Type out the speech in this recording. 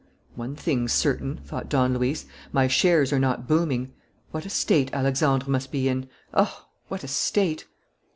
"One thing's certain," thought Don Luis. "My shares are not booming. What a state Alexandre must be in! Oh, what a state!"